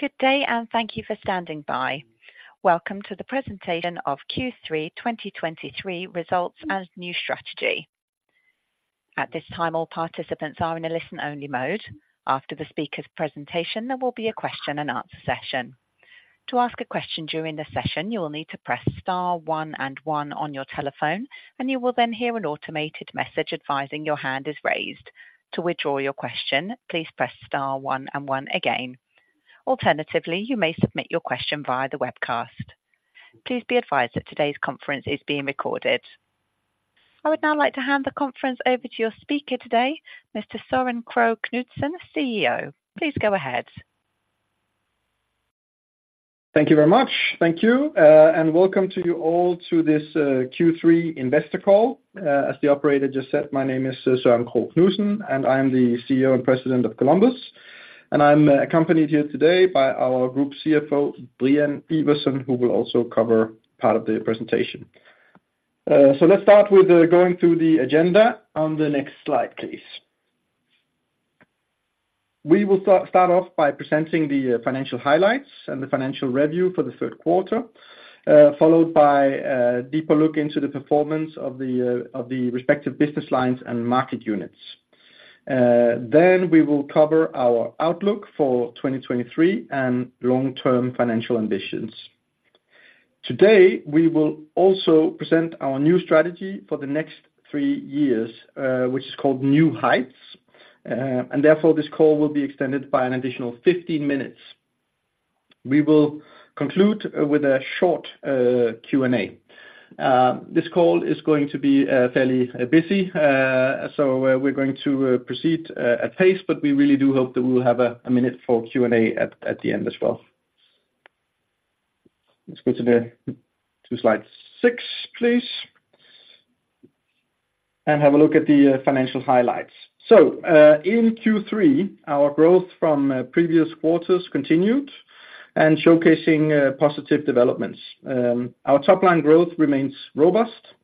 Good day, and thank you for standing by. Welcome to the presentation of Q3 2023 Results and New Strategy. At this time, all participants are in a listen-only mode. After the speaker's presentation, there will be a question and answer session. To ask a question during the session, you will need to press star one and one on your telephone, and you will then hear an automated message advising your hand is raised. To withdraw your question, please press star one and one again. Alternatively, you may submit your question via the webcast. Please be advised that today's conference is being recorded. I would now like to hand the conference over to your speaker today, Mr. Søren Krogh Knudsen, CEO. Please go ahead. Thank you very much. Thank you, and welcome to you all to this, Q3 investor call. As the operator just said, my name is Søren Krogh Knudsen, and I am the CEO and President of Columbus, and I'm accompanied here today by our Group CFO, Brian Iversen, who will also cover part of the presentation. So let's start with going through the agenda on the next slide, please. We will start off by presenting the financial highlights and the financial review for the third quarter, followed by a deeper look into the performance of the respective business lines and market units. Then, we will cover our outlook for 2023 and long-term financial ambitions. Today, we will also present our new strategy for the next three years, which is called New Heights, and therefore, this call will be extended by an additional 15 minutes. We will conclude with a short Q&A. This call is going to be fairly busy, so we're going to proceed at pace, but we really do hope that we'll have a minute for Q&A at the end as well. Let's go to slide 6, please, and have a look at the financial highlights. So, in Q3, our growth from previous quarters continued and showcasing positive developments. Our top-line growth remains robust,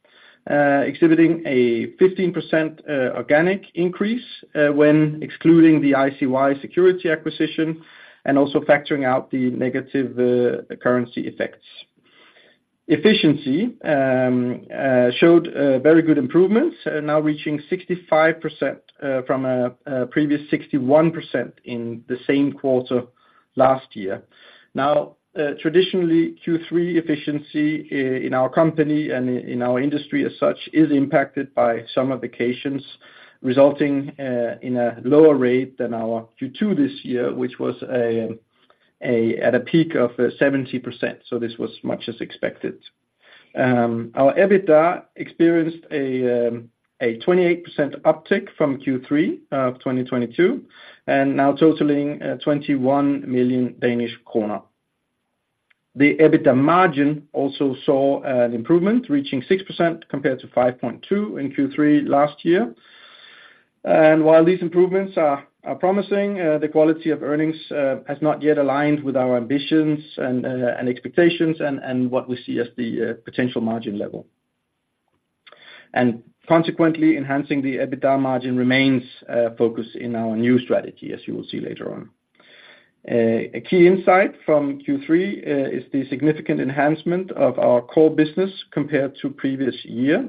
exhibiting a 15% organic increase, when excluding the ICY Security acquisition and also factoring out the negative currency effects. Efficiency showed very good improvements, now reaching 65% from a previous 61% in the same quarter last year. Now, traditionally, Q3 efficiency in our company and in our industry as such is impacted by some occasions, resulting in a lower rate than our Q2 this year, which was at a peak of 70%, so this was much as expected. Our EBITDA experienced a 28% uptick from Q3 of 2022, and now totaling 21 million Danish kroner. The EBITDA margin also saw an improvement, reaching 6% compared to 5.2% in Q3 last year. And while these improvements are promising, the quality of earnings has not yet aligned with our ambitions and expectations, and what we see as the potential margin level. And consequently, enhancing the EBITDA margin remains focused in our new strategy, as you will see later on. A key insight from Q3 is the significant enhancement of our core business compared to previous year,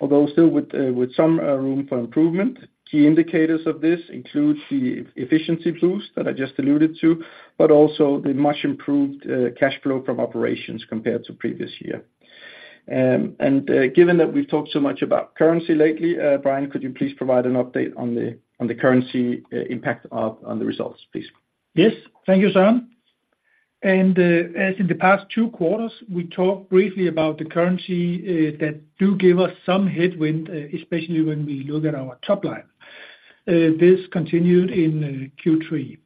although still with some room for improvement. Key indicators of this include the efficiency boost that I just alluded to, but also the much improved cash flow from operations compared to previous year. And, given that we've talked so much about currency lately, Brian, could you please provide an update on the currency impact on the results, please? Yes. Thank you, Søren. As in the past two quarters, we talked briefly about the currency that do give us some headwind, especially when we look at our top line. This continued in Q3.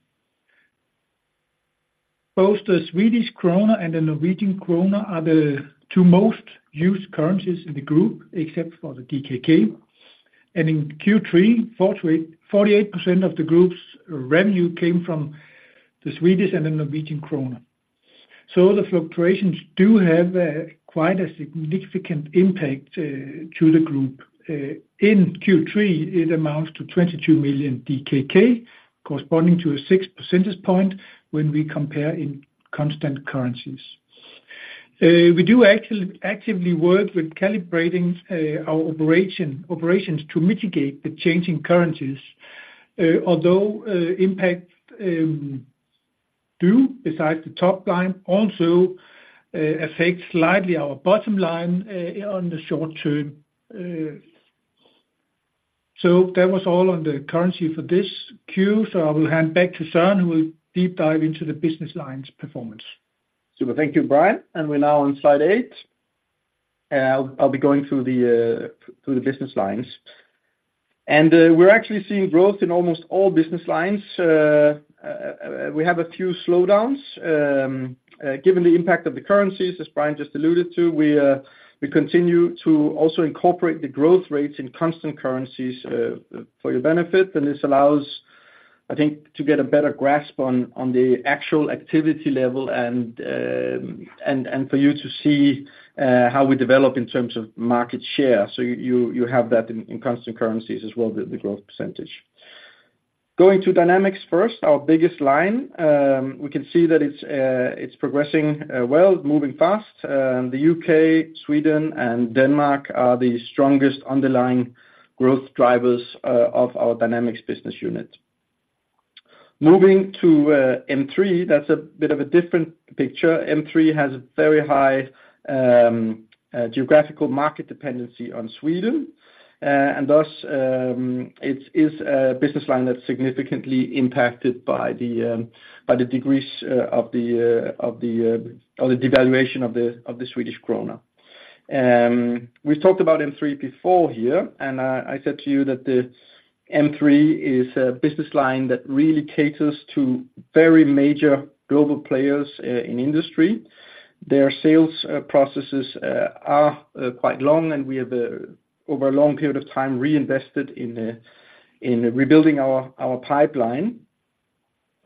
Both the Swedish krona and the Norwegian krone are the two most used currencies in the group, except for the DKK, and in Q3, 48, 48% of the group's revenue came from the Swedish and the Norwegian Krona. So the fluctuations do have quite a significant impact to the group. In Q3, it amounts to 22 million DKK, corresponding to a six percentage point when we compare in constant currencies. We do actively, actively work with calibrating our operation, operations to mitigate the changing currencies, although impact do, besides the top line, also affect slightly our bottom line on the short term. So that was all on the currency for this Q, so I will hand back to Søren, who will deep dive into the business lines performance. Super. Thank you, Brian, and we're now on slide 8. I'll be going through the business lines. And we're actually seeing growth in almost all business lines. We have a few slowdowns. Given the impact of the currencies, as Brian just alluded to, we continue to also incorporate the growth rates in constant currencies for your benefit. And this allows, I think, to get a better grasp on the actual activity level and for you to see how we develop in terms of market share. So you have that in constant currencies as well, the growth percentage. Going to Dynamics first, our biggest line, we can see that it's progressing well, moving fast. And the U.K., Sweden and Denmark are the strongest underlying growth drivers of our Dynamics business unit. Moving to M3, that's a bit of a different picture. M3 has a very high geographical market dependency on Sweden. And thus, it is a business line that's significantly impacted by the degrees of the devaluation of the Swedish krona. We've talked about M3 before here, and I said to you that the M3 is a business line that really caters to very major global players in industry. Their sales processes are quite long, and we have, over a long period of time, reinvested in rebuilding our pipeline.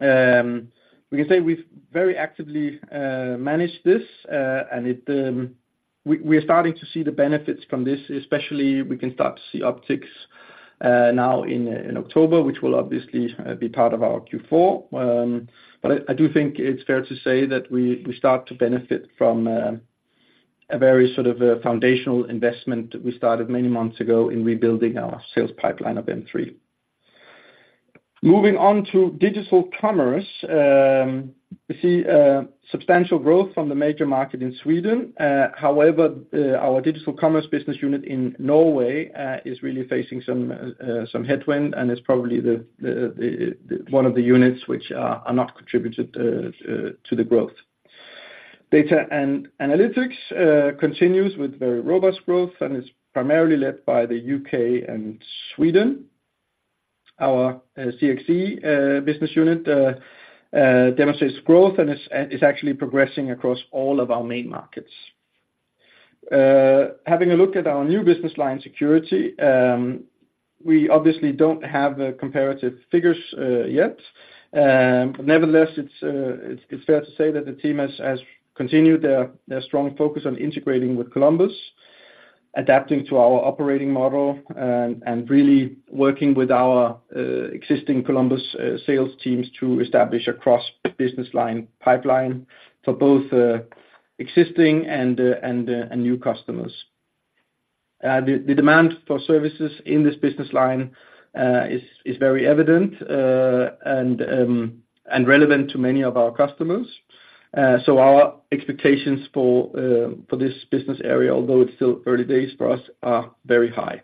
We can say we've very actively managed this, and we are starting to see the benefits from this, especially we can start to see upticks now in October, which will obviously be part of our Q4. But I do think it's fair to say that we start to benefit from a very sort of foundational investment that we started many months ago in rebuilding our sales pipeline of M3. Moving on to Digital Commerce, we see substantial growth from the major market in Sweden. However, our Digital Commerce business unit in Norway is really facing some headwind and is probably the one of the units which are not contributed to the growth. Data and Analytics continues with very robust growth and is primarily led by the UK and Sweden. Our CXC business unit demonstrates growth and is actually progressing across all of our main markets. Having a look at our new business line, Security, we obviously don't have the comparative figures yet. Nevertheless, it's fair to say that the team has continued their strong focus on integrating with Columbus, adapting to our operating model, and really working with our existing Columbus sales teams to establish a cross-business line pipeline for both existing and new customers. The demand for services in this business line is very evident and relevant to many of our customers. So our expectations for this business area, although it's still early days for us, are very high.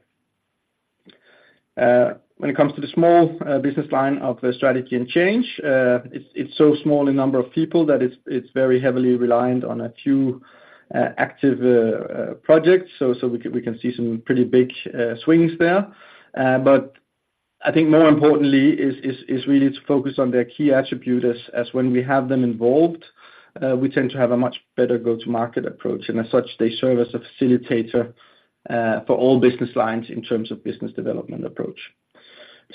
When it comes to the small business line of the Strategy and Change, it's so small in number of people that it's very heavily reliant on a few active projects. So we can see some pretty big swings there. But I think more importantly is really to focus on their key attribute, as when we have them involved, we tend to have a much better go-to-market approach, and as such, they serve as a facilitator for all business lines in terms of business development approach.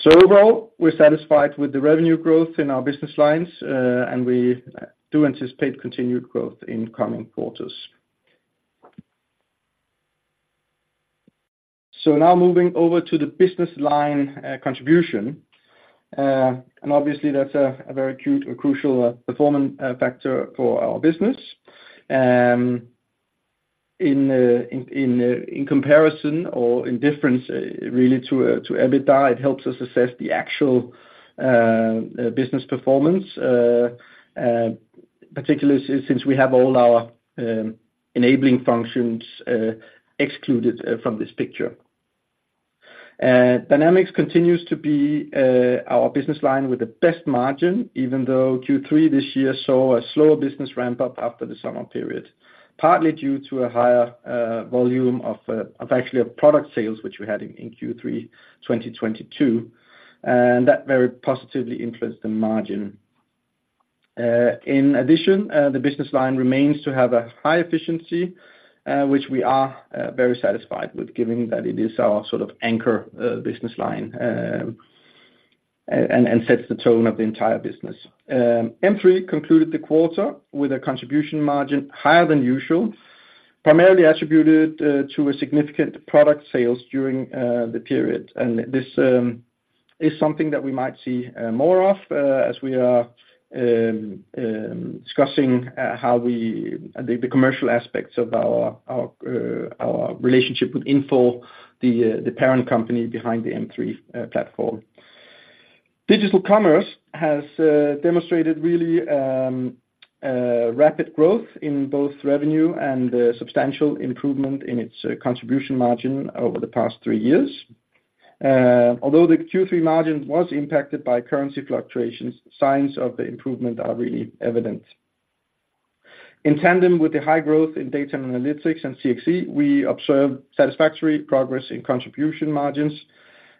So overall, we're satisfied with the revenue growth in our business lines, and we do anticipate continued growth in coming quarters. So now moving over to the business line contribution. And obviously, that's a very acute or crucial performance factor for our business. In comparison or in difference, really to EBITDA, it helps us assess the actual business performance, particularly since we have all our enabling functions excluded from this picture. Dynamics continues to be our business line with the best margin, even though Q3 this year saw a slower business ramp up after the summer period, partly due to a higher volume of actual product sales, which we had in Q3 2022, and that very positively influenced the margin. In addition, the business line remains to have a high efficiency, which we are very satisfied with, given that it is our sort of anchor business line, and sets the tone of the entire business. M3 concluded the quarter with a contribution margin higher than usual, primarily attributed to a significant product sales during the period. And this is something that we might see more of as we are discussing how the commercial aspects of our relationship with Infor, the parent company behind the M3 platform. Digital Commerce has demonstrated really rapid growth in both revenue and substantial improvement in its contribution margin over the past three years. Although the Q3 margin was impacted by currency fluctuations, signs of the improvement are really evident. In tandem with the high growth in Data and Analytics and CXC, we observed satisfactory progress in contribution margins,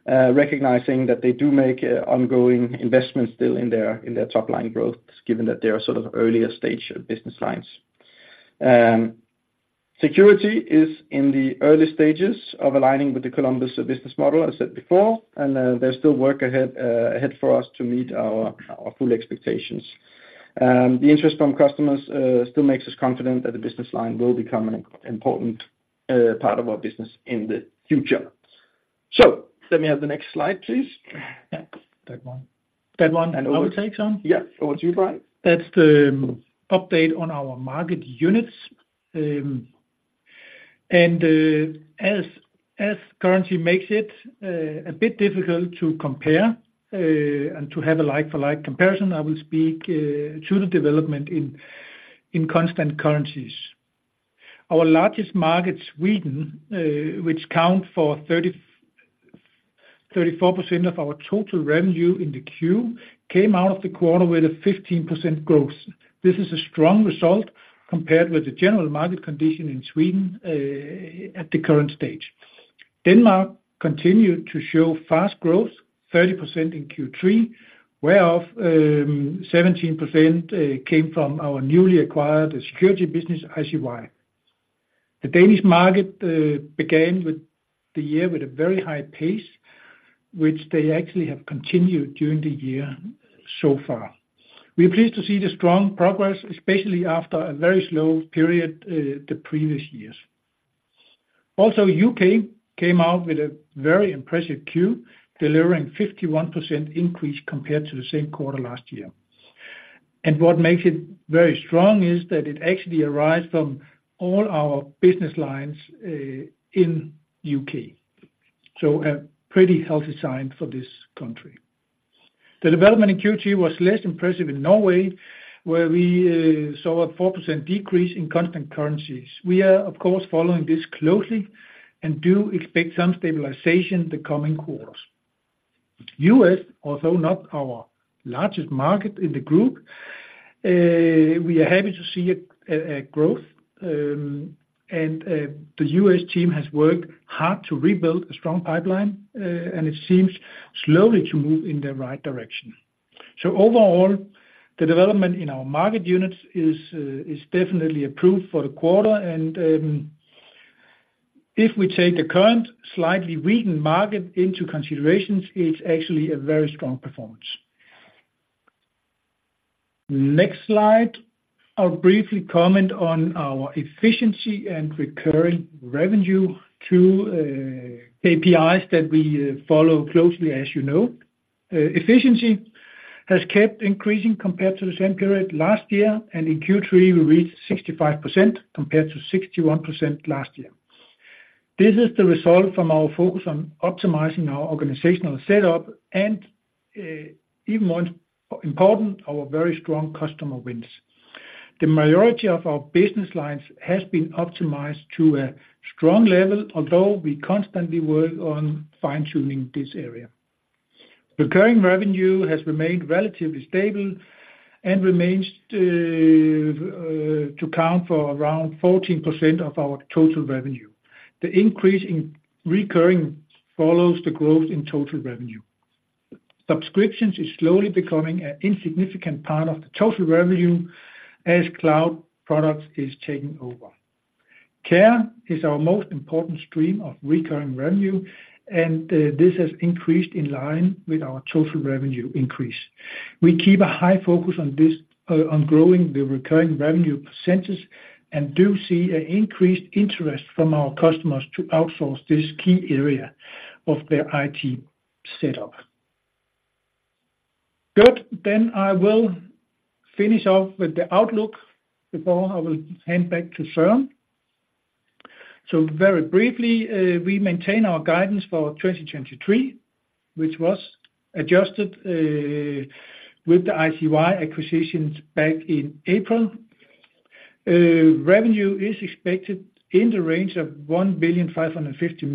recognizing that they do make ongoing investments still in their top-line growth, given that they are sort of earlier stage business lines. Security is in the early stages of aligning with the Columbus business model, as said before, and there's still work ahead for us to meet our full expectations. The interest from customers still makes us confident that the business line will become an important part of our business in the future. Let me have the next slide, please. Yeah, that one. That one I will take, Søren? Yes. Over to you, Brian. That's the update on our market units. As currency makes it a bit difficult to compare and to have a like-for-like comparison, I will speak to the development in constant currencies. Our largest market, Sweden, which count for 34% of our total revenue in Q3, came out of the quarter with a 15% growth. This is a strong result compared with the general market condition in Sweden at the current stage. Denmark continued to show fast growth, 30% in Q3, whereof 17% came from our newly acquired security business, ICY. The Danish market began with the year with a very high pace, which they actually have continued during the year so far. We're pleased to see the strong progress, especially after a very slow period the previous years. Also, the U.K. came out with a very impressive Q, delivering 51% increase compared to the same quarter last year. What makes it very strong is that it actually arrives from all our business lines in the U.K., so a pretty healthy sign for this country. The development in Q3 was less impressive in Norway, where we saw a 4% decrease in constant currencies. We are, of course, following this closely and do expect some stabilization in the coming quarters. The U.S., although not our largest market in the group, we are happy to see a growth, and the U.S. team has worked hard to rebuild a strong pipeline, and it seems slowly to move in the right direction. So overall, the development in our market units is definitely improved for the quarter, and if we take the current slightly weakened market into consideration, it's actually a very strong performance. Next slide, I'll briefly comment on our efficiency and recurring revenue, two KPIs that we follow closely, as you know. Efficiency has kept increasing compared to the same period last year, and in Q3 we reached 65%, compared to 61% last year. This is the result from our focus on optimizing our organizational setup and even more important, our very strong customer wins. The majority of our business lines has been optimized to a strong level, although we constantly work on fine-tuning this area. Recurring revenue has remained relatively stable and remains to account for around 14% of our total revenue. The increase in recurring follows the growth in total revenue. Subscriptions is slowly becoming an insignificant part of the total revenue as cloud products is taking over. Care is our most important stream of recurring revenue, and this has increased in line with our total revenue increase. We keep a high focus on this, on growing the recurring revenue percentage and do see an increased interest from our customers to outsource this key area of their IT setup. Good. Then I will finish off with the outlook before I will hand back to Søren. So very briefly, we maintain our guidance for 2023, which was adjusted, with the ICY acquisitions back in April. Revenue is expected in the range of 1.55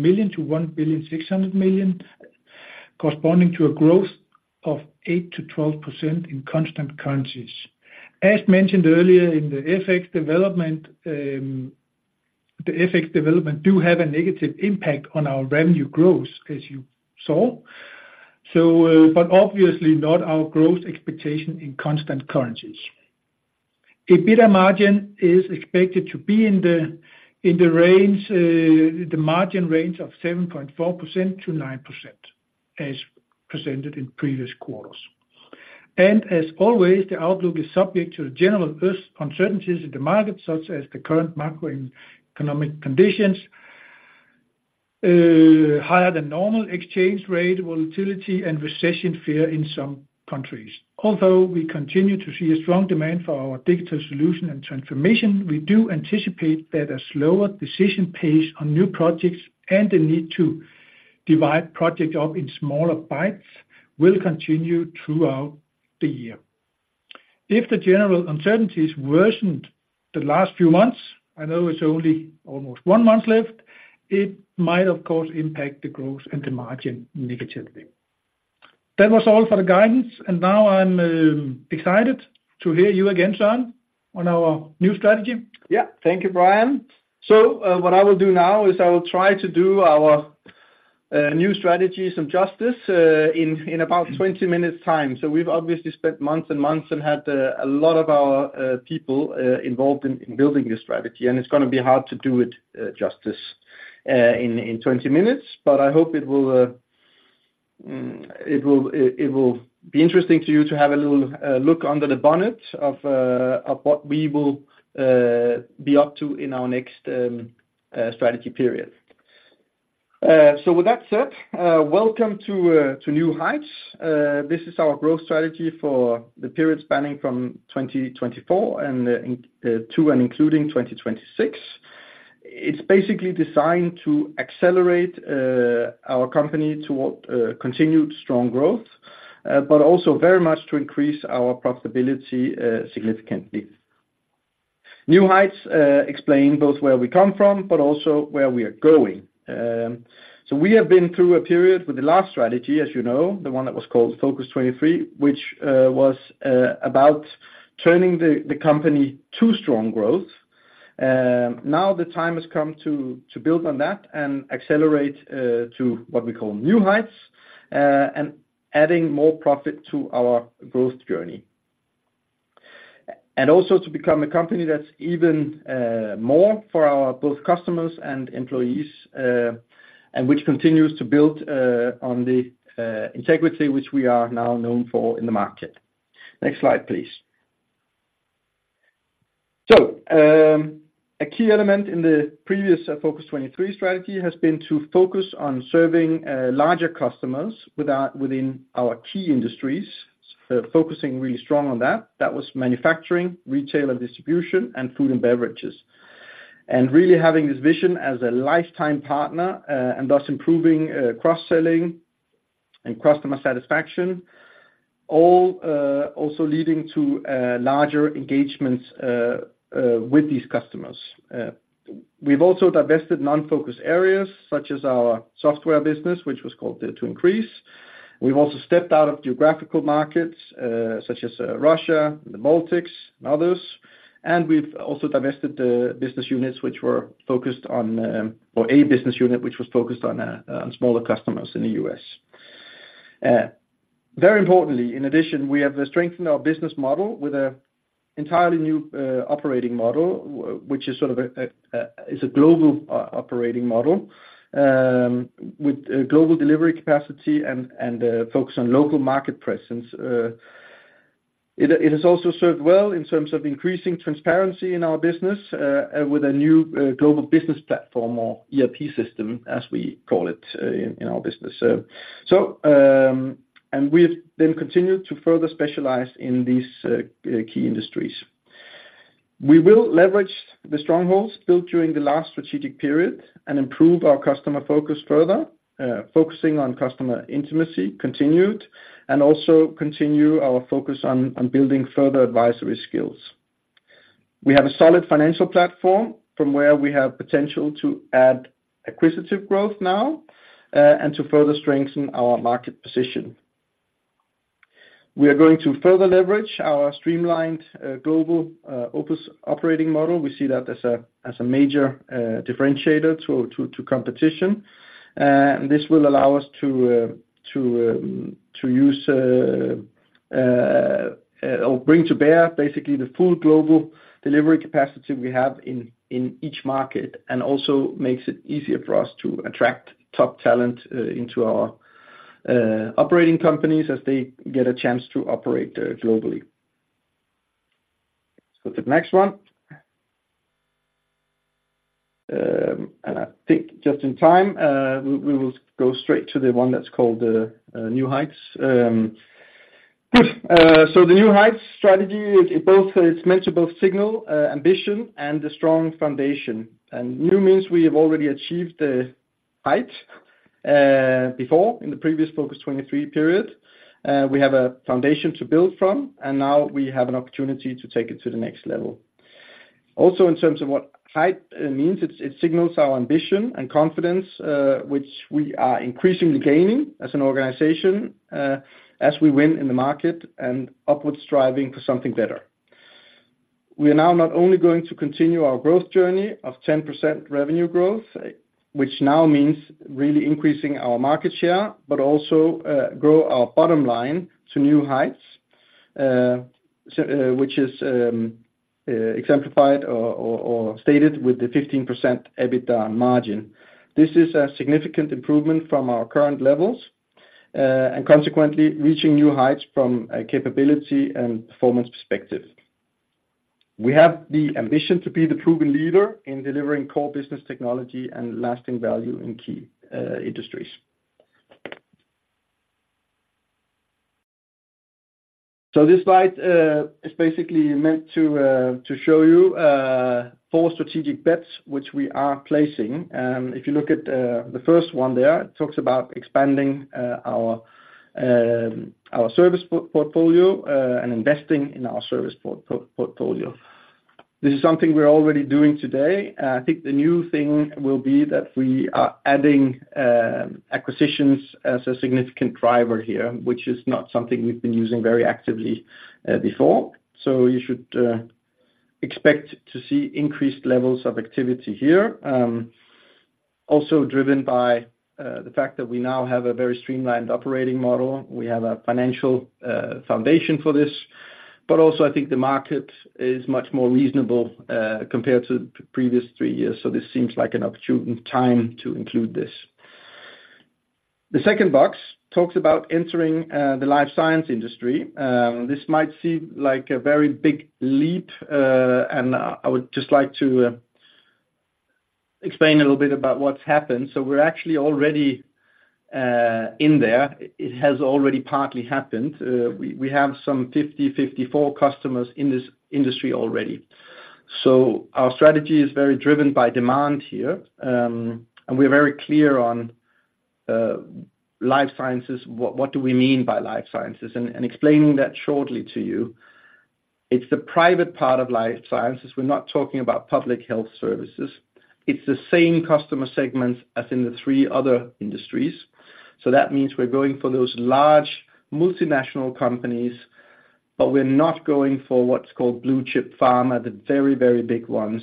billion-1.6 billion, corresponding to a growth of 8%-12% in constant currencies. As mentioned earlier in the FX development, the FX development do have a negative impact on our revenue growth, as you saw. So, but obviously not our growth expectation in constant currencies. EBITDA margin is expected to be in the, in the range, the margin range of 7.4%-9%, as presented in previous quarters. As always, the outlook is subject to the general uncertainties in the market, such as the current macroeconomic conditions, higher than normal exchange rate volatility and recession fear in some countries. Although we continue to see a strong demand for our digital solution and transformation, we do anticipate that a slower decision pace on new projects and the need to divide project up in smaller bites will continue throughout the year. If the general uncertainties worsened the last few months, I know it's only almost one month left, it might, of course, impact the growth and the margin negatively. That was all for the guidance, and now I'm excited to hear you again, Søren, on our new strategy. Yeah. Thank you, Brian. So, what I will do now is I will try to do our new strategy some justice in about 20 minutes' time. So we've obviously spent months and months and had a lot of our people involved in building this strategy, and it's going to be hard to do it justice in 20 minutes, but I hope it will. It will be interesting to you to have a little look under the bonnet of what we will be up to in our next strategy period. So with that said, welcome to New Heights. This is our growth strategy for the period spanning from 2024, and in to and including 2026. It's basically designed to accelerate our company toward continued strong growth, but also very much to increase our profitability significantly. New Heights explain both where we come from, but also where we are going. So we have been through a period with the last strategy, as you know, the one that was called Focus23, which was about turning the company to strong growth. Now the time has come to build on that and accelerate to what we call New Heights, and adding more profit to our growth journey. Also to become a company that's even more for our both customers and employees, and which continues to build on the integrity which we are now known for in the market. Next slide, please. So, a key element in the previous Focus23 strategy has been to focus on serving larger customers without within our key industries, focusing really strong on that. That was manufacturing, retail, and distribution, and food and beverages. And really having this vision as a lifetime partner and thus improving cross-selling and customer satisfaction, all also leading to larger engagements with these customers. We've also divested non-focus areas, such as our software business, which was called To-Increase. We've also stepped out of geographical markets such as Russia, the Baltics, and others. And we've also divested the business units which were focused on, or a business unit which was focused on, smaller customers in the U.S. Very importantly, in addition, we have strengthened our business model with an entirely new operating model, which is sort of a global operating model, with a global delivery capacity and focus on local market presence. It has also served well in terms of increasing transparency in our business, with a new global business platform or ERP system, as we call it, in our business. And we've then continued to further specialize in these key industries. We will leverage the strongholds built during the last strategic period and improve our customer focus further, focusing on customer intimacy continued, and also continue our focus on building further advisory skills. We have a solid financial platform from where we have potential to add acquisitive growth now, and to further strengthen our market position. We are going to further leverage our streamlined, global, Globus operating model. We see that as a major differentiator to competition. And this will allow us to, to use, or bring to bear, basically, the full global delivery capacity we have in each market, and also makes it easier for us to attract top talent, into our operating companies as they get a chance to operate, globally. So the next one. And I think just in time, we will go straight to the one that's called, New Heights. So the New Heights strategy, it, it both, it's meant to both signal ambition and a strong foundation. And new means we have already achieved the height before in the previous Focus23 period. We have a foundation to build from, and now we have an opportunity to take it to the next level. Also, in terms of what height means, it, it signals our ambition and confidence, which we are increasingly gaining as an organization, as we win in the market and upwards striving for something better. We are now not only going to continue our growth journey of 10% revenue growth, which now means really increasing our market share, but also grow our bottom line to new heights, so which is exemplified or, or, or stated with the 15% EBITDA margin. This is a significant improvement from our current levels, and consequently, reaching new heights from a capability and performance perspective. We have the ambition to be the proven leader in delivering core business technology and lasting value in key industries. So this slide is basically meant to show you four strategic bets which we are placing. If you look at the first one there, it talks about expanding our service portfolio and investing in our service portfolio. This is something we're already doing today. I think the new thing will be that we are adding acquisitions as a significant driver here, which is not something we've been using very actively before. So you should expect to see increased levels of activity here. Also driven by the fact that we now have a very streamlined operating model. We have a financial foundation for this. But also, I think the market is much more reasonable compared to the previous three years, so this seems like an opportune time to include this. The second box talks about entering the life science industry. This might seem like a very big leap, and I would just like to explain a little bit about what's happened. So we're actually already in there. It has already partly happened. We have some 54 customers in this industry already. So our strategy is very driven by demand here. And we're very clear on life sciences, what do we mean by life sciences? Explaining that shortly to you, it's the private part of life sciences. We're not talking about public health services. It's the same customer segments as in the three other industries. So that means we're going for those large multinational companies, but we're not going for what's called blue-chip pharma, the very, very big ones.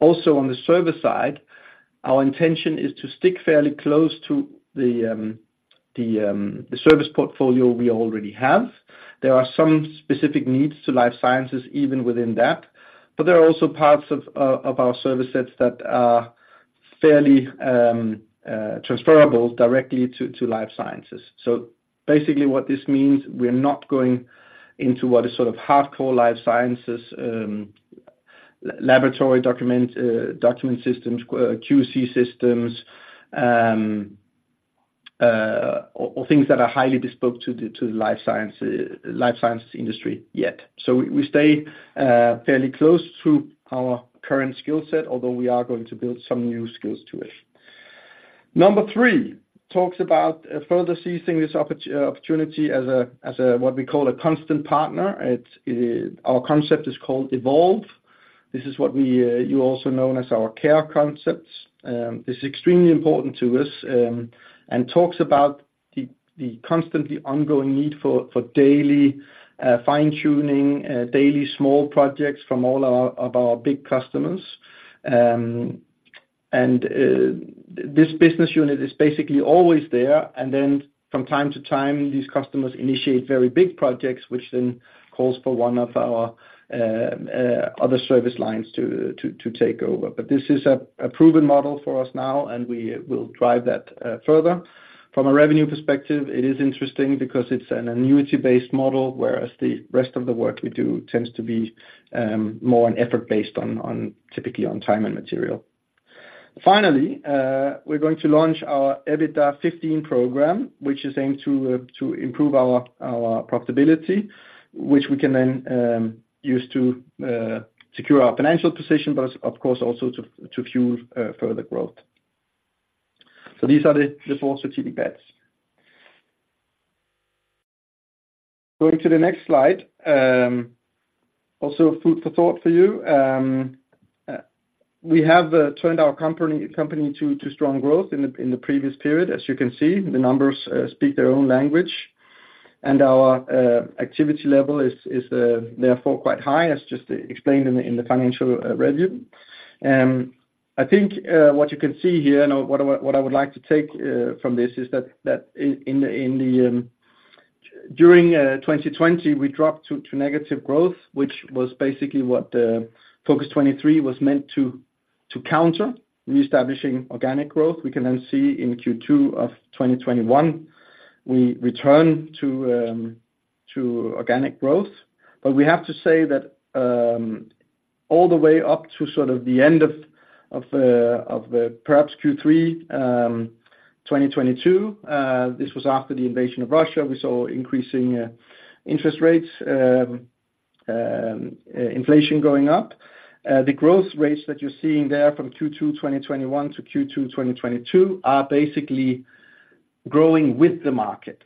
Also, on the service side, our intention is to stick fairly close to the service portfolio we already have. There are some specific needs to life sciences even within that, but there are also parts of our service sets that are fairly transferable directly to life sciences. So basically, what this means, we're not going into what is sort of hardcore life sciences, laboratory document systems, QC systems, or things that are highly bespoke to the life sciences industry yet. So we stay fairly close to our current skill set, although we are going to build some new skills to it. Number 3 talks about further seizing this opportunity as a, as a, what we call a constant partner. It's our concept is called Evolve. This is what we you also know as our care concepts. This is extremely important to us, and talks about the constantly ongoing need for daily fine-tuning, daily small projects from all of our big customers. And this business unit is basically always there, and then from time to time, these customers initiate very big projects, which then calls for one of our other service lines to take over. But this is a proven model for us now, and we will drive that further. From a revenue perspective, it is interesting because it's an annuity-based model, whereas the rest of the work we do tends to be more an effort based on typically time and material. Finally, we're going to launch our EBITDA15 program, which is aimed to improve our profitability, which we can then use to secure our financial position, but of course, also to fuel further growth. So these are the four strategic bets. Going to the next slide, also food for thought for you. We have turned our company to strong growth in the previous period. As you can see, the numbers speak their own language, and our activity level is therefore quite high, as just explained in the financial review. I think what you can see here, and what I would like to take from this, is that in 2020, we dropped to negative growth, which was basically what Focus23 was meant to counter, reestablishing organic growth. We can then see in Q2 of 2021, we return to organic growth. But we have to say that all the way up to sort of the end of perhaps Q3 2022, this was after the invasion of Russia, we saw increasing interest rates, inflation going up. The growth rates that you're seeing there from Q2 2021 to Q2 2022 are basically growing with the market.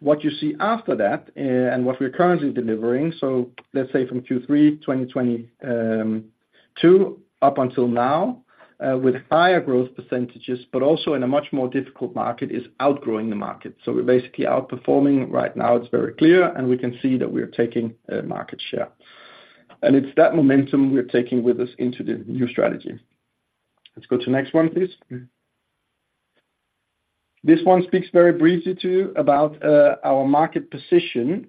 What you see after that, and what we're currently delivering, so let's say from Q3 2022 up until now, with higher growth percentages, but also in a much more difficult market, is outgrowing the market. So we're basically outperforming right now, it's very clear, and we can see that we are taking market share. And it's that momentum we're taking with us into the new strategy. Let's go to the next one, please. This one speaks very briefly to you about our market position.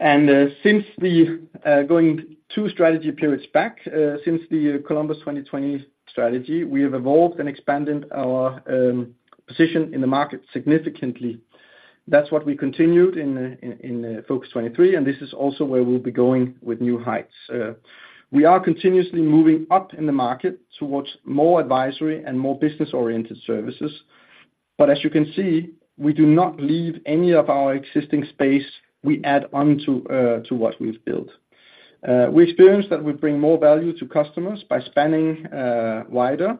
Since going two strategy periods back, since the Columbus 2020 strategy, we have evolved and expanded our position in the market significantly. That's what we continued in Focus23, and this is also where we'll be going with New Heights. We are continuously moving up in the market towards more advisory and more business-oriented services, but as you can see, we do not leave any of our existing space, we add on to what we've built. We experience that we bring more value to customers by spanning wider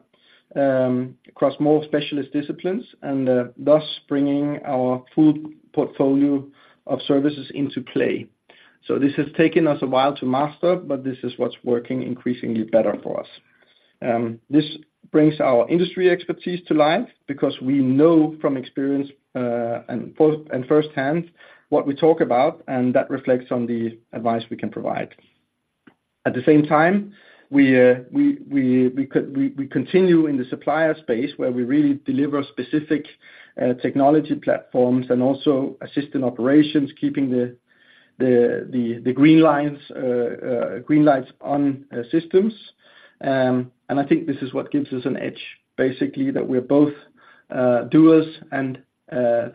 across more specialist disciplines, and thus bringing our full portfolio of services into play. So this has taken us a while to master, but this is what's working increasingly better for us. This brings our industry expertise to life because we know from experience, and firsthand what we talk about, and that reflects on the advice we can provide. At the same time, we continue in the supplier space, where we really deliver specific technology platforms and also assist in operations, keeping the green lights on systems. And I think this is what gives us an edge, basically, that we're both doers and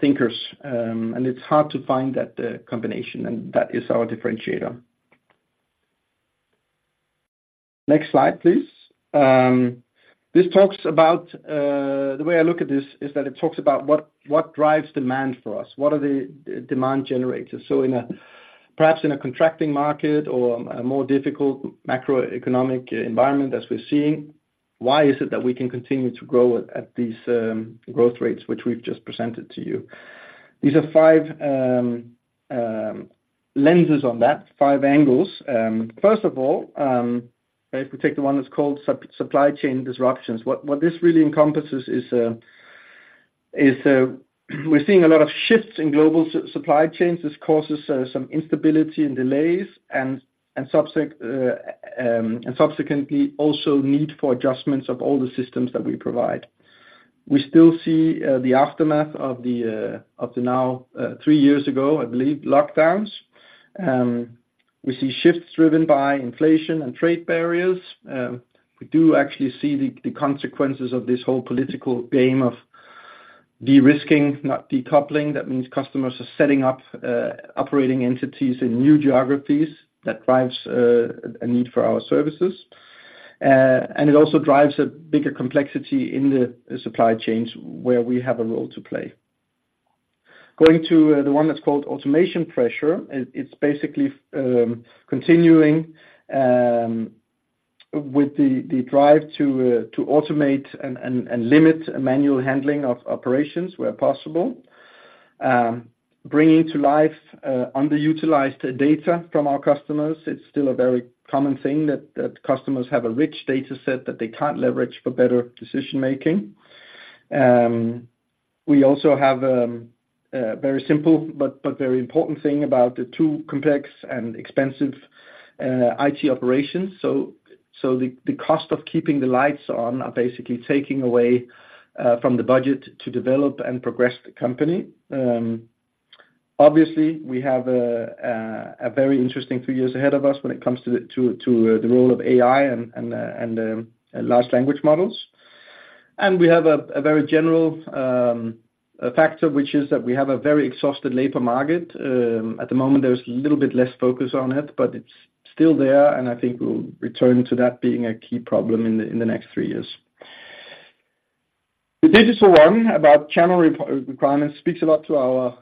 thinkers. And it's hard to find that combination, and that is our differentiator. Next slide, please. This talks about the way I look at this, is that it talks about what drives demand for us, what are the demand generators? So perhaps in a contracting market or a more difficult macroeconomic environment, as we're seeing, why is it that we can continue to grow at these growth rates, which we've just presented to you? These are five lenses on that, five angles. First of all, if we take the one that's called supply chain disruptions, what this really encompasses is we're seeing a lot of shifts in global supply chains. This causes some instability and delays, and subsequently, also need for adjustments of all the systems that we provide. We still see the aftermath of the now three years ago, I believe, lockdowns. We see shifts driven by inflation and trade barriers. We do actually see the consequences of this whole political game of de-risking, not decoupling. That means customers are setting up operating entities in new geographies. That drives a need for our services. And it also drives a bigger complexity in the supply chains, where we have a role to play. Going to the one that's called automation pressure, it's basically continuing with the drive to automate and limit manual handling of operations where possible. Bringing to life underutilized data from our customers. It's still a very common thing that customers have a rich data set that they can't leverage for better decision-making. We also have a very simple but very important thing about the too complex and expensive IT operations. The cost of keeping the lights on are basically taking away from the budget to develop and progress the company. Obviously, we have a very interesting few years ahead of us when it comes to the role of AI and large language models. And we have a very general factor, which is that we have a very exhausted labor market. At the moment, there's a little bit less focus on it, but it's still there, and I think we'll return to that being a key problem in the next three years. The digital one, about channel re-requirements, speaks a lot to our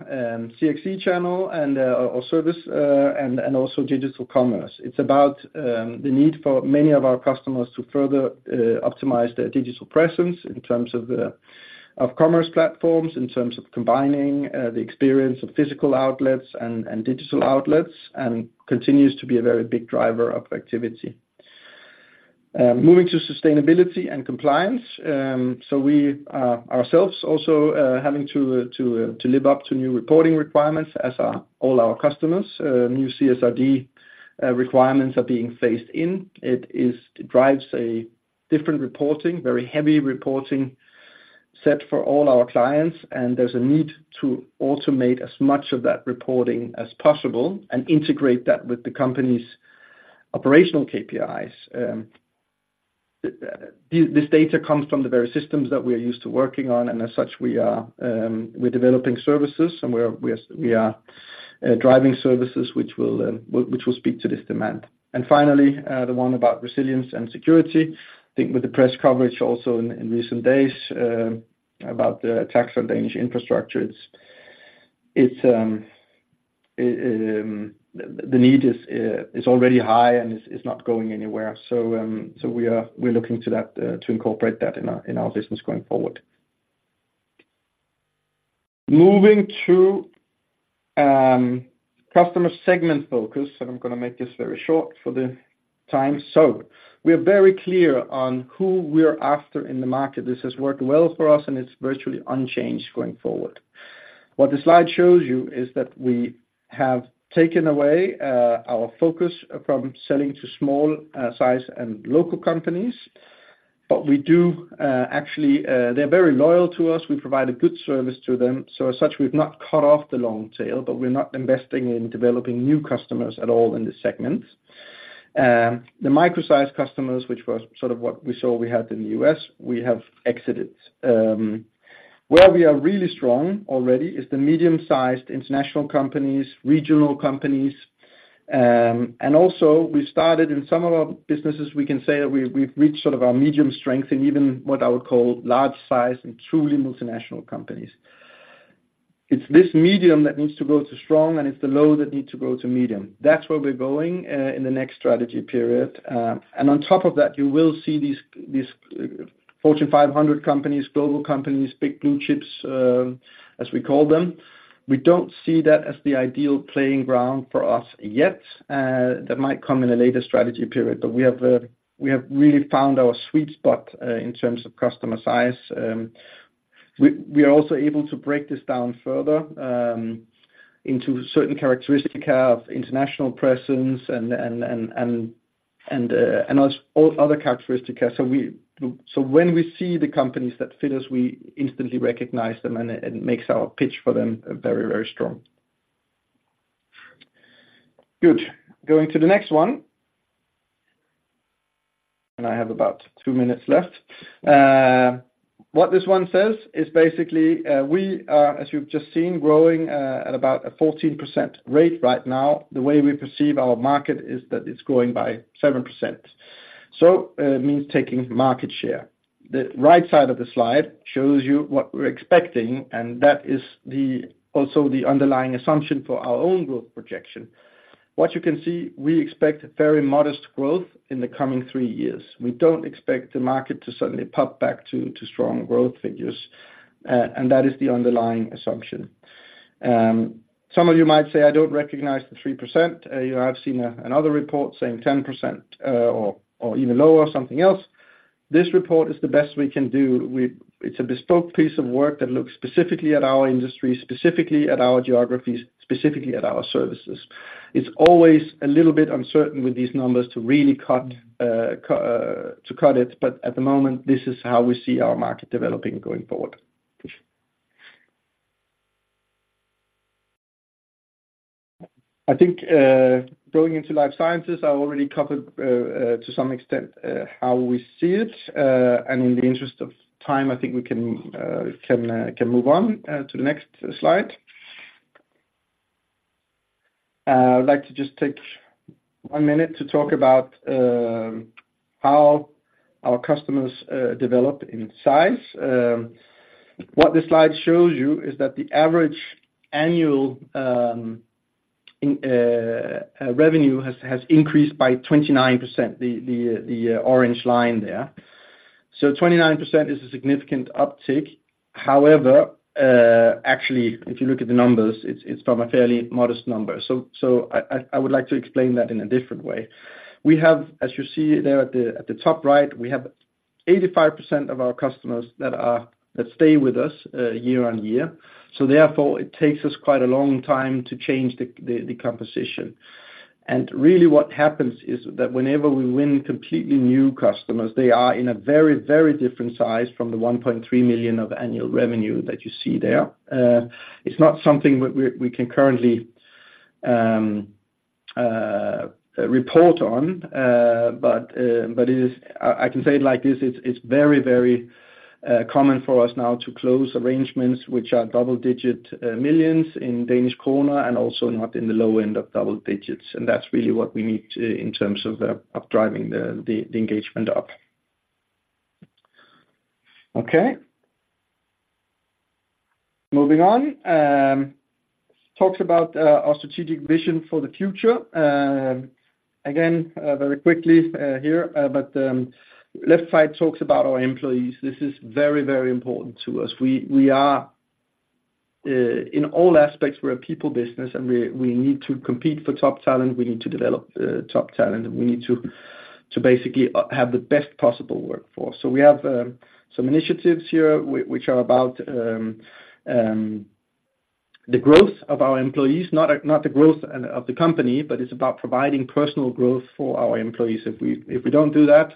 CXC channel and our service and also Digital Commerce. It's about the need for many of our customers to further optimize their digital presence in terms of commerce platforms, in terms of combining the experience of physical outlets and digital outlets, and continues to be a very big driver of activity. Moving to sustainability and compliance. So we ourselves also having to live up to new reporting requirements, as are all our customers. New CSRD requirements are being phased in. It drives a different reporting, very heavy reporting set for all our clients, and there's a need to automate as much of that reporting as possible and integrate that with the company's operational KPIs. This data comes from the various systems that we are used to working on, and as such, we are, we're developing services, and we're, we're, we are driving services which will, which will speak to this demand. And finally, the one about resilience and security. I think with the press coverage also in recent days about the attacks on Danish infrastructure, it's the need is already high and is not going anywhere. So, so we are-- we're looking to that, to incorporate that in our business going forward. Moving to customer segment focus, and I'm going to make this very short for the time. So we are very clear on who we're after in the market. This has worked well for us, and it's virtually unchanged going forward. What the slide shows you is that we have taken away our focus from selling to small size and local companies, but we do actually they're very loyal to us. We provide a good service to them. So as such, we've not cut off the long tail, but we're not investing in developing new customers at all in this segment. The micro-sized customers, which was sort of what we saw we had in the U.S., we have exited. Where we are really strong already is the medium-sized international companies, regional companies, and also we started in some of our businesses, we can say that we've reached sort of our medium strength in even what I would call large size and truly multinational companies. It's this medium that needs to grow to strong, and it's the low that need to grow to medium. That's where we're going in the next strategy period. And on top of that, you will see these Fortune 500 companies, global companies, big blue chips, as we call them. We don't see that as the ideal playing ground for us yet. That might come in a later strategy period, but we have, we have really found our sweet spot in terms of customer size. We are also able to break this down further into certain characteristic of international presence and all other characteristics. So when we see the companies that fit us, we instantly recognize them, and it makes our pitch for them very, very strong. Good. Going to the next one. And I have about two minutes left. What this one says is basically, we are, as you've just seen, growing at about a 14% rate right now. The way we perceive our market is that it's growing by 7%. So, it means taking market share. The right side of the slide shows you what we're expecting, and that is also the underlying assumption for our own growth projection. What you can see, we expect very modest growth in the coming three years. We don't expect the market to suddenly pop back to strong growth figures, and that is the underlying assumption. Some of you might say, "I don't recognize the 3%. You know, I've seen another report saying 10%, or even lower, something else." This report is the best we can do. It's a bespoke piece of work that looks specifically at our industry, specifically at our geographies, specifically at our services. It's always a little bit uncertain with these numbers to really cut it, but at the moment, this is how we see our market developing going forward. I think, going into life sciences, I already covered to some extent how we see it. And in the interest of time, I think we can move on to the next slide. I'd like to just take one minute to talk about how our customers develop in size. What this slide shows you is that the average annual revenue has increased by 29%, the orange line there. So 29% is a significant uptick. However, actually, if you look at the numbers, it's from a fairly modest number. So, I would like to explain that in a different way. We have, as you see there at the top right, we have 85% of our customers that are that stay with us year on year. So therefore, it takes us quite a long time to change the composition. And really, what happens is that whenever we win completely new customers, they are in a very, very different size from the 1.3 million of annual revenue that you see there. It's not something that we can currently report on, but it is... I can say it like this, it's very, very common for us now to close arrangements which are double-digit millions and also not in the low end of double digits, and that's really what we need to, in terms of, driving the engagement up. Okay. Moving on. Talks about our strategic vision for the future. Again, very quickly here, but left side talks about our employees. This is very, very important to us. We are, in all aspects, we're a people business, and we need to compete for top talent, we need to develop top talent, and we need to basically have the best possible workforce. So we have some initiatives here which are about the growth of our employees, not the growth of the company, but it's about providing personal growth for our employees. If we don't do that,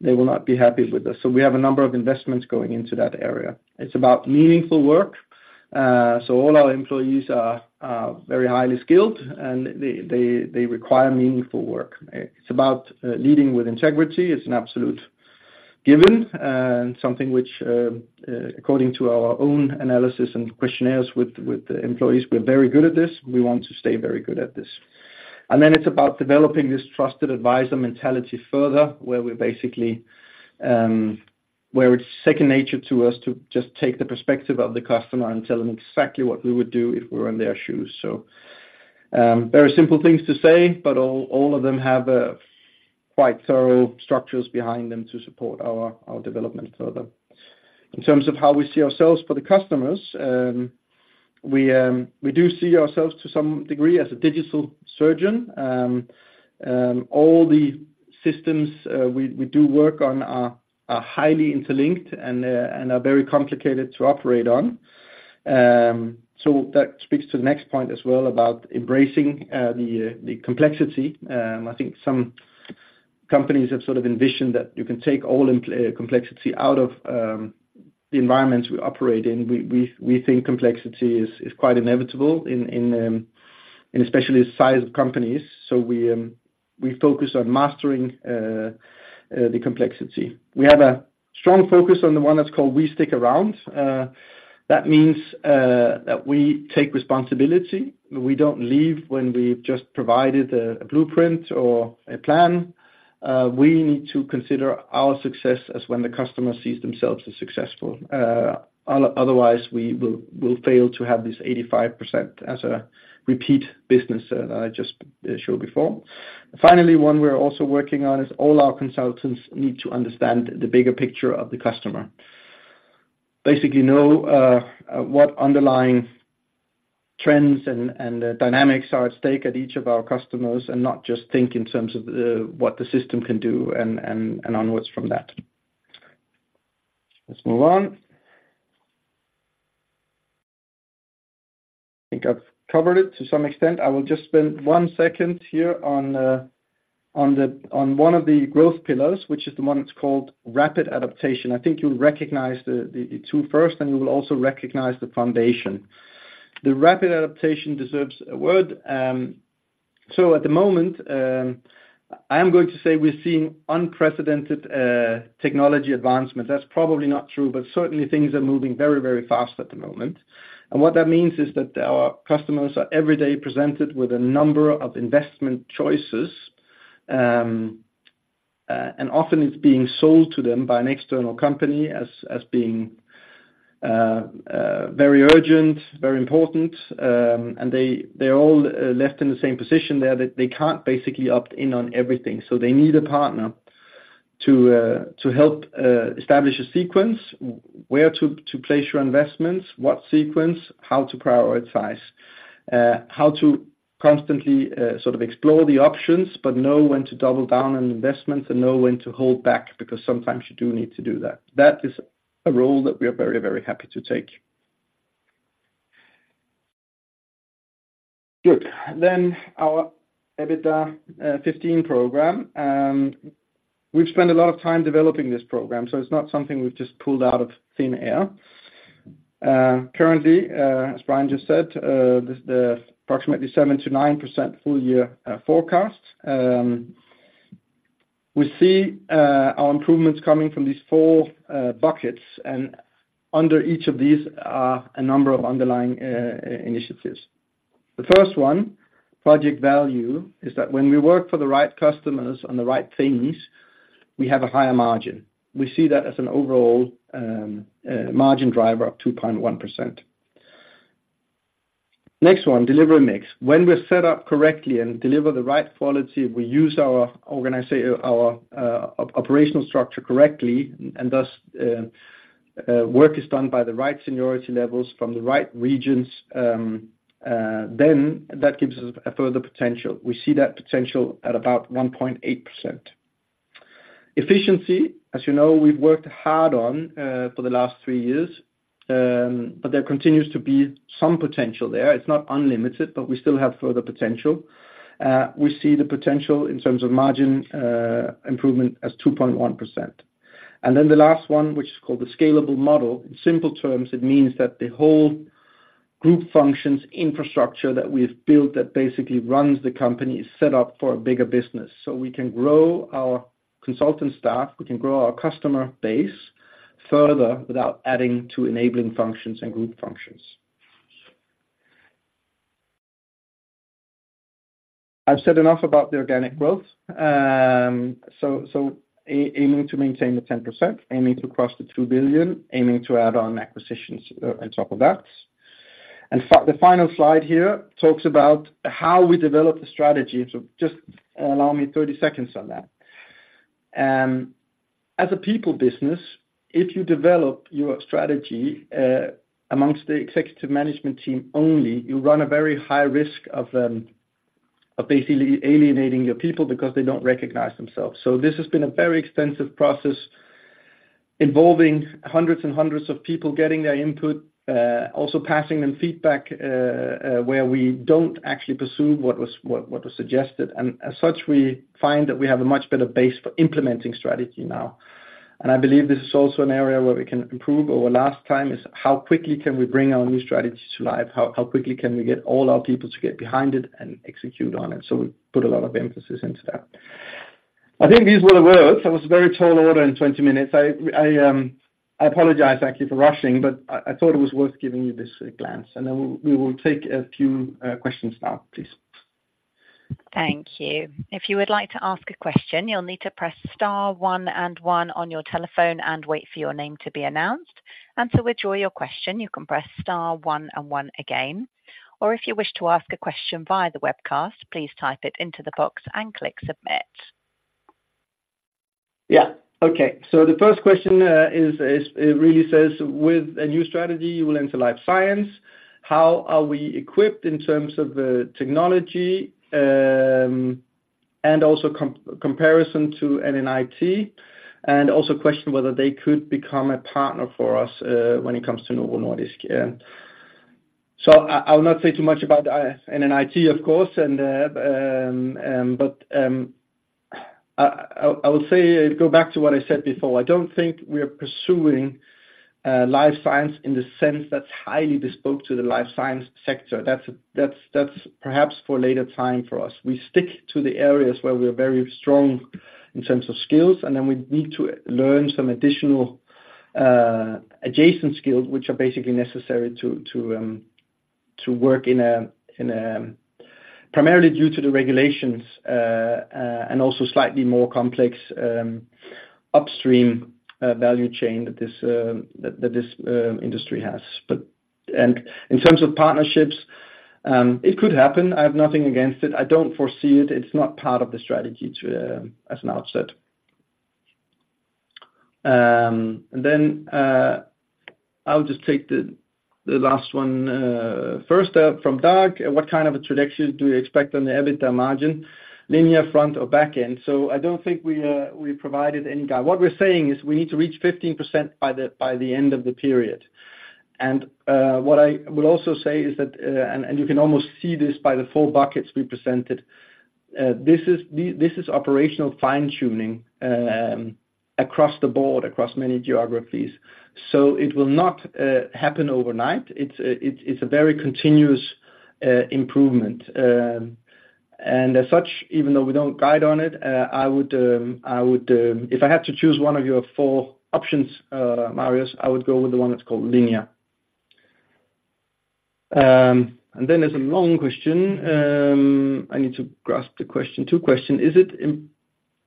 they will not be happy with us. So we have a number of investments going into that area. It's about meaningful work. So all our employees are very highly skilled, and they require meaningful work. It's about leading with integrity. It's an absolute given, and something which according to our own analysis and questionnaires with the employees, we're very good at this. We want to stay very good at this. And then it's about developing this trusted advisor mentality further, where we basically, where it's second nature to us to just take the perspective of the customer and tell them exactly what we would do if we were in their shoes. So, very simple things to say, but all, all of them have, quite thorough structures behind them to support our, our development further. In terms of how we see ourselves for the customers, we, we do see ourselves to some degree as a digital surgeon. All the systems, we, we do work on are, are highly interlinked and, and are very complicated to operate on. So that speaks to the next point as well about embracing, the, the complexity. I think some companies have sort of envisioned that you can take all complexity out of the environments we operate in. We think complexity is quite inevitable in especially sized companies, so we focus on mastering the complexity. We have a strong focus on the one that's called We Stick Around. That means that we take responsibility. We don't leave when we've just provided a blueprint or a plan. We need to consider our success as when the customer sees themselves as successful. Otherwise, we will fail to have this 85% as a repeat business that I just showed before. Finally, one we're also working on is all our consultants need to understand the bigger picture of the customer. Basically know what underlying... Trends and dynamics are at stake at each of our customers, and not just think in terms of what the system can do and onwards from that. Let's move on. I think I've covered it to some extent. I will just spend one second here on one of the growth pillars, which is the one that's called rapid adaptation. I think you'll recognize the two first, and you will also recognize the foundation. The rapid adaptation deserves a word. So at the moment, I am going to say we're seeing unprecedented technology advancement. That's probably not true, but certainly things are moving very, very fast at the moment, and what that means is that our customers are every day presented with a number of investment choices. And often it's being sold to them by an external company as being very urgent, very important. And they, they're all left in the same position there, that they can't basically opt in on everything. So they need a partner to help establish a sequence, where to place your investments, what sequence, how to prioritize, how to constantly sort of explore the options, but know when to double down on investments and know when to hold back, because sometimes you do need to do that. That is a role that we are very, very happy to take. Good. Then our EBITDA15 program. We've spent a lot of time developing this program, so it's not something we've just pulled out of thin air. Currently, as Brian just said, the approximately 7%-9% full year forecast. We see our improvements coming from these four buckets, and under each of these are a number of underlying initiatives. The first one, project value, is that when we work for the right customers on the right things, we have a higher margin. We see that as an overall margin driver of 2.1%. Next one, delivery mix. When we're set up correctly and deliver the right quality, we use our operational structure correctly, and thus, work is done by the right seniority levels from the right regions, then that gives us a further potential. We see that potential at about 1.8%. Efficiency, as you know, we've worked hard on for the last three years, but there continues to be some potential there. It's not unlimited, but we still have further potential. We see the potential in terms of margin improvement as 2.1%. And then the last one, which is called the scalable model. In simple terms, it means that the whole group functions infrastructure that we've built, that basically runs the company, is set up for a bigger business. So we can grow our consultant staff, we can grow our customer base further without adding to enabling functions and group functions. I've said enough about the organic growth. Aiming to maintain the 10%, aiming to cross 2 billion, aiming to add on acquisitions on top of that. The final slide here talks about how we develop the strategy. So just allow me 30 seconds on that. As a people business, if you develop your strategy, amongst the executive management team only, you run a very high risk of of basically alienating your people because they don't recognize themselves. So this has been a very extensive process involving hundreds and hundreds of people, getting their input, also passing them feedback, where we don't actually pursue what was suggested. And as such, we find that we have a much better base for implementing strategy now. And I believe this is also an area where we can improve over last time, is how quickly can we bring our new strategy to life? How quickly can we get all our people to get behind it and execute on it? So we put a lot of emphasis into that. I think these were the words. That was a very tall order in 20 minutes. I apologize actually for rushing, but I thought it was worth giving you this glance, and then we will take a few questions now, please. Thank you. If you would like to ask a question, you'll need to press star one and one on your telephone and wait for your name to be announced. To withdraw your question, you can press star one and one again, or if you wish to ask a question via the webcast, please type it into the box and click submit. Yeah. Okay. So the first question is it really says, "With a new strategy, you will enter life science. How are we equipped in terms of the technology, and also comparison to NNIT?" And also question whether they could become a partner for us when it comes to Novo Nordisk. Yeah. So I will not say too much about NNIT, of course, but I will say, go back to what I said before. I don't think we are pursuing life science in the sense that's highly bespoke to the life science sector. That's perhaps for a later time for us. We stick to the areas where we're very strong in terms of skills, and then we need to learn some additional, adjacent skills, which are basically necessary to work in a, in a... Primarily due to the regulations, and also slightly more complex, upstream value chain that this, that this industry has. But. And in terms of partnerships, it could happen. I have nothing against it. I don't foresee it. It's not part of the strategy to, as an outset.... And then, I'll just take the last one first, from Doug: What kind of a trajectory do you expect on the EBITDA margin, linear, front or back end? So I don't think we provided any guide. What we're saying is we need to reach 15% by the end of the period. And what I would also say is that, and you can almost see this by the four buckets we presented, this is operational fine-tuning across the board, across many geographies. So it will not happen overnight. It's a very continuous improvement. And as such, even though we don't guide on it, I would. If I had to choose one of your four options, Marius, I would go with the one that's called linear. And then there's a long question. I need to grasp the question. Second question: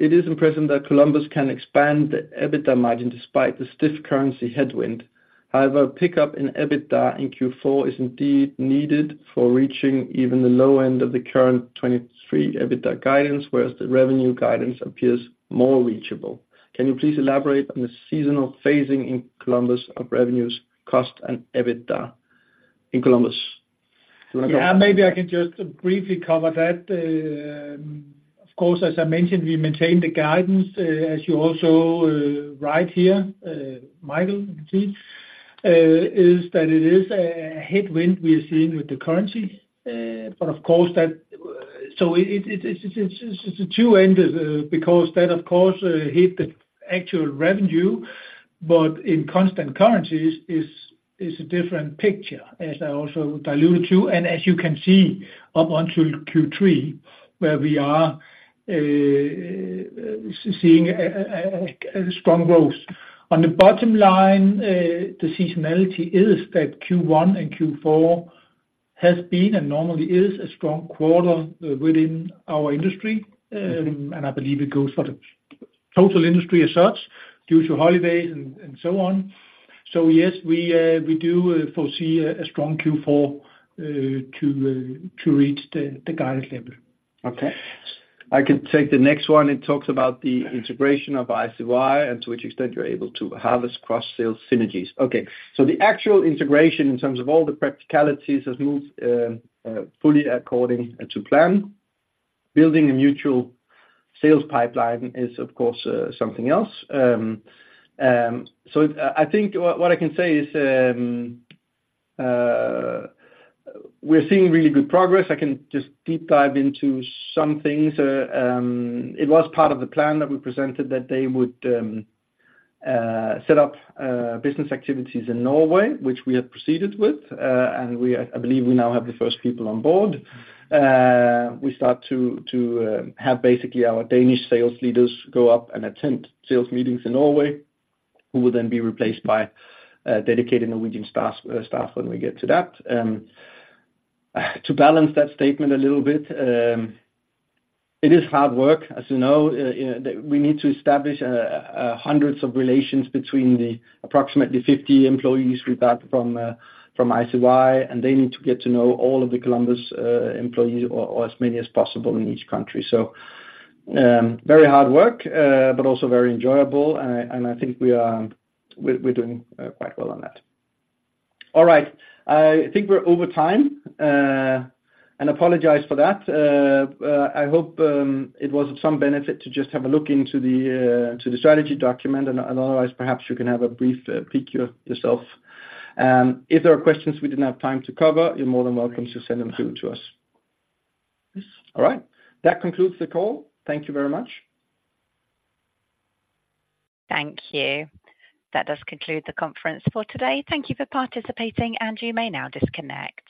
It is impressive that Columbus can expand the EBITDA margin despite the stiff currency headwind. However, pickup in EBITDA in Q4 is indeed needed for reaching even the low end of the current 2023 EBITDA guidance, whereas the revenue guidance appears more reachable. Can you please elaborate on the seasonal phasing in Columbus of revenues, cost, and EBITDA in Columbus? Do you want to- Yeah, maybe I can just briefly cover that. Of course, as I mentioned, we maintain the guidance, as you also right here, Michael, I think, is that it is a headwind we are seeing with the currency. But of course, that, so it, it's a two-edged, because that, of course, hit the actual revenue, but in constant currencies is a different picture, as I also alluded to, and as you can see up until Q3, where we are seeing a strong growth. On the bottom line, the seasonality is that Q1 and Q4 has been, and normally is, a strong quarter within our industry. And I believe it goes for the total industry as such, due to holidays and so on. So yes, we do foresee a strong Q4 to reach the guidance level. Okay. I can take the next one. It talks about the integration of ICY and to which extent you're able to harvest cross-sale synergies. Okay, so the actual integration in terms of all the practicalities has moved fully according to plan. Building a mutual sales pipeline is, of course, something else. So I think what I can say is, we're seeing really good progress. I can just deep dive into some things. It was part of the plan that we presented that they would set up business activities in Norway, which we have proceeded with, and I believe we now have the first people on board. We start to have basically our Danish sales leaders go up and attend sales meetings in Norway, who will then be replaced by dedicated Norwegian staff when we get to that. To balance that statement a little bit, it is hard work, as you know. We need to establish hundreds of relations between the approximately 50 employees we got from ICY, and they need to get to know all of the Columbus employees, or as many as possible in each country. So, very hard work, but also very enjoyable, and I think we are doing quite well on that. All right, I think we're over time, and apologize for that. I hope it was of some benefit to just have a look into the strategy document, and otherwise, perhaps you can have a brief peek yourself. If there are questions we didn't have time to cover, you're more than welcome to send them through to us. All right. That concludes the call. Thank you very much. Thank you. That does conclude the conference for today. Thank you for participating, and you may now disconnect.